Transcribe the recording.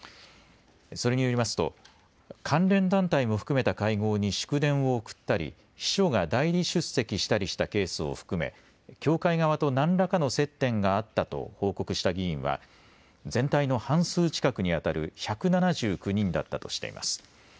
それによりますと関連団体も含めた会合に祝電を送ったり秘書が代理出席したりしたケースを含め教会側と何らかの接点があったと報告した議員は全体の半数近くにあたる１７９人だったとしています。